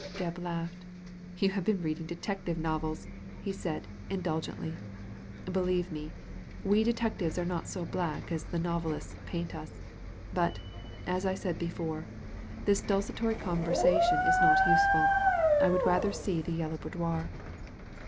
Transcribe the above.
Gebb laughed. " You have been reading detective novels," said he, indulgently ;" believe me, we detec tives are not so black as the novelists paint us. But, as I said before, this desultory conversation is not useful. I would rather see the Yellow Boudoir."